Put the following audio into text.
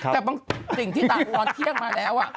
แต่บางสิ่งที่ตามตอนเที่ยงมาแล้ว